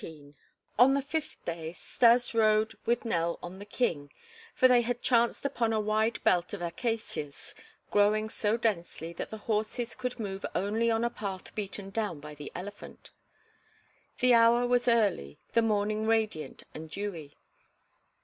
XVII On the fifth day Stas rode with Nell on the King, for they had chanced upon a wide belt of acacias, growing so densely that the horses could move only on a path beaten down by the elephant. The hour was early, the morning radiant and dewy.